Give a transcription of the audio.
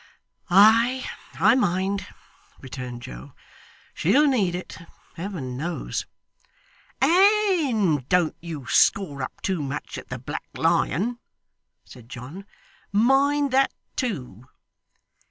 'Ay, I mind,' returned Joe. 'She'll need it, Heaven knows.' 'And don't you score up too much at the Black Lion,' said John. 'Mind that too.